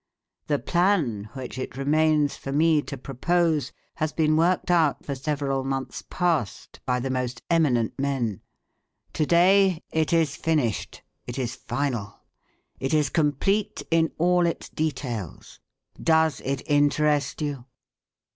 The plan, which it remains for me to propose, has been worked out for several months past by the most eminent men. To day it is finished; it is final. It is complete in all its details. Does it interest you?